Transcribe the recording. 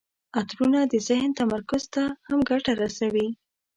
عطرونه د ذهن تمرکز ته هم ګټه رسوي.